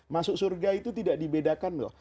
masuk surga itu tidak dibedakan loh